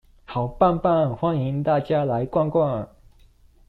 好棒棒，歡迎大家來逛逛